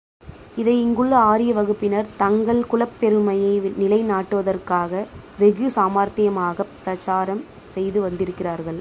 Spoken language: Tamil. இதை இங்குள்ள ஆரிய வகுப்பினர் தங்கள் குலப் பெருமையை நிலைநாட்டுவதற்காக வெகு சாமர்த்தியமாகப் பிரச்சாரம் செய்து வந்திருக்கிறார்கள்.